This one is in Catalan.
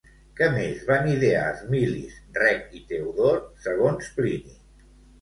Què més van idear Esmilis, Rec i Teodor, segons Plini?